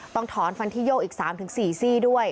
ต้องถอนฟันที่โยกอีก๓๔ซี่ด้วย